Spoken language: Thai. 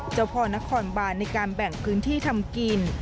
เจ้าพ่อนครบานในการแบ่งพื้นที่ทำกิน